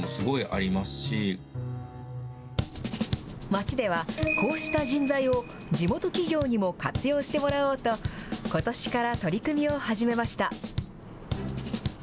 町ではこうした人材を地元企業にも活用してもらおうと、ことしから取り組みを始めました。